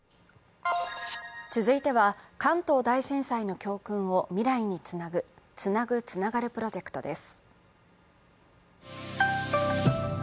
続いては関東大震災の教訓を未来につなぐ、「つなぐ、つながるプロジェクト」です。